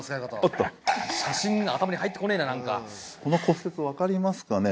写真が頭に入ってこねえな何かこの骨折分かりますかね？